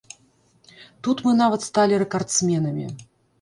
Тут мы нават сталі рэкардсменамі.